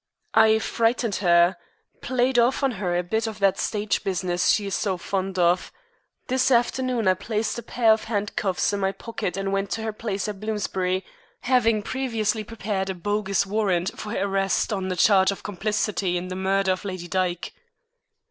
"I frightened her. Played off on her a bit of the stage business she is so fond of. This afternoon I placed a pair of handcuffs in my pocket and went to her place at Bloomsbury, having previously prepared a bogus warrant for her arrest on a charge of complicity in the murder of Lady Dyke."